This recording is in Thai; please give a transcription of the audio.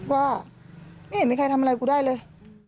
ว่าไม่เห็นมีใครทำอะไรกูได้เลย